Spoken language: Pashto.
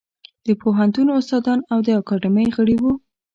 د پوهنتون استادان او د اکاډمۍ غړي وو.